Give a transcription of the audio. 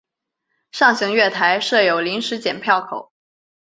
上行月台设有临时剪票口。